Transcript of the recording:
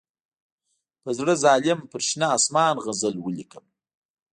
په زړه ظالم پر شنه آسمان غزل ولیکم.